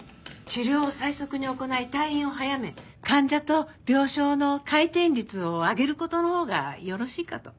治療を最速に行い退院を早め患者と病床の回転率を上げる事のほうがよろしいかと。